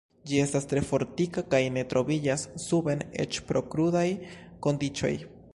Ĝi estas tre fortika kaj ne moviĝas suben eĉ pro krudaj kondiĉoj.